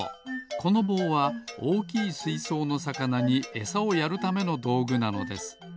このぼうはおおきいすいそうのさかなにエサをやるためのどうぐなのです。